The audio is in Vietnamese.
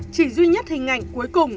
chỉ duy nhất hình ảnh cuối cùng